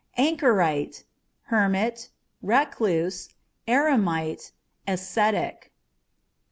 Anchorite â€" hermit, recluse, eremite, ascetic.